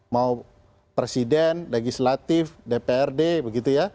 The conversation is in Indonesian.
mau presiden legislatif dprd begitu ya